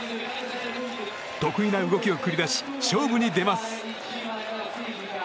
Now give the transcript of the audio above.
得意な動きを繰り出し勝負に出ます。